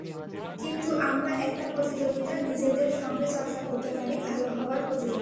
কিন্তু আমরা একটা প্রতিযোগিতা নিজেদের সঙ্গে চর্চা করতে পারি—ভালো হওয়ার প্রতিযোগিতা।